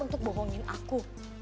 untuk bohongin aku